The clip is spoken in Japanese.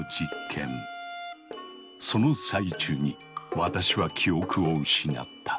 その最中に私は記憶を失った。